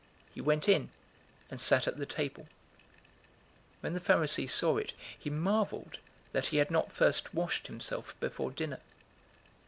He went in, and sat at the table. 011:038 When the Pharisee saw it, he marveled that he had not first washed himself before dinner.